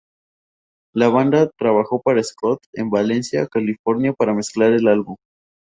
La banda trabajó con Scott en Valencia, California para mezclar el álbum.